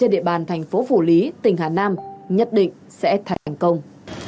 địa bàn thành phố phủ lý tỉnh hà nam nhất định sẽ thành công